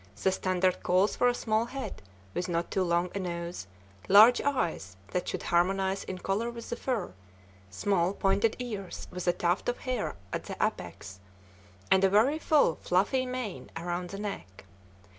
The standard calls for a small head, with not too long a nose, large eyes that should harmonize in color with the fur, small, pointed ears with a tuft of hair at the apex, and a very full, fluffy mane around the neck.